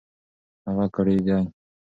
هغه کړېدی .